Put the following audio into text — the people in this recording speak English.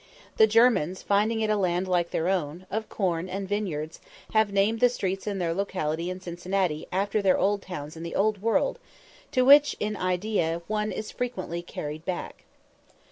The Germans, finding it a land like their own, of corn and vineyards, have named the streets in their locality in Cincinnati after their towns in the Old World, to which in idea one is frequently carried back.